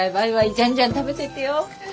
じゃんじゃん食べてってよ。